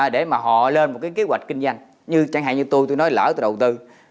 để mà họ lên một cái kế hoạch kinh doanh như chẳng hạn như tôi tôi nói lỡ tôi đầu tư